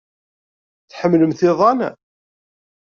Tḥemmlemt iḍan?